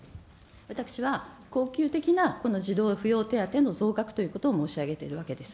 私は恒久的な児童扶養手当の増額ということを申し上げているわけです。